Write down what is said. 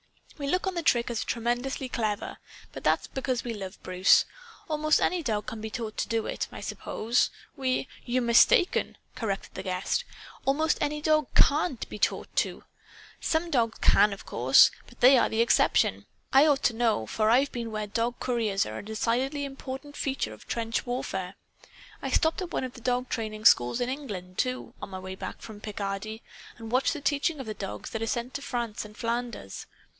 We look on the trick as tremendously clever. But that's because we love Bruce. Almost any dog can be taught to do it, I suppose. We " "You're mistaken!" corrected the guest. "Almost any dog CAN'T be taught to. Some dogs can, of course; but they are the exception. I ought to know, for I've been where dog couriers are a decidedly important feature of trench warfare. I stopped at one of the dog training schools in England, too, on my way back from Picardy, and watched the teaching of the dogs that are sent to France and Flanders.